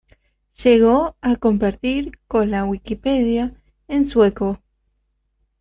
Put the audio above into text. Llegó a competir con la Wikipedia en sueco.